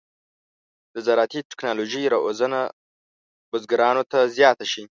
د زراعتي تکنالوژۍ روزنه بزګرانو ته زیاته شي.